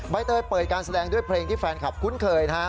เตยเปิดการแสดงด้วยเพลงที่แฟนคลับคุ้นเคยนะฮะ